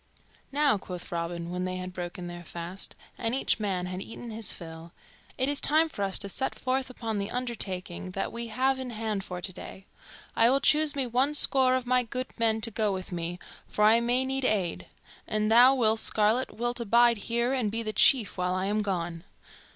"Now," quoth Robin, when they had broken their fast, and each man had eaten his fill, "it is time for us to set forth upon the undertaking that we have in hand for today. I will choose me one score of my good men to go with me, for I may need aid; and thou, Will Scarlet, wilt abide here and be the chief while I am gone."